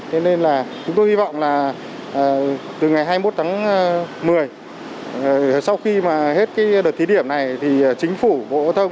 thế nên là chúng tôi hy vọng là từ ngày hai mươi một tháng một mươi sau khi mà hết cái đợt thí điểm này thì chính phủ bộ thông